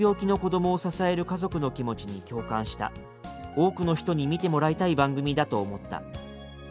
多くの人に見てもらいたい番組だと思った」